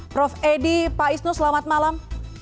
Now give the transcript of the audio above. prof edi pak isnu selamat malam